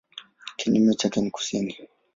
Kinyume chake ni kusini.